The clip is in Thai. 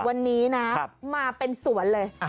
วันนี้นะมาเป็นสวนเลย